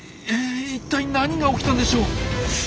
一体何が起きたんでしょう？